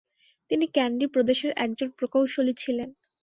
তিনি ক্যান্ডি প্রদেশের একজন প্রকৌশলী ছিলেন।